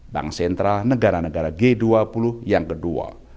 bank sentral negara negara g dua puluh yang kedua